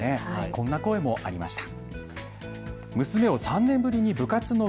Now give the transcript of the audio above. こんな声がありました。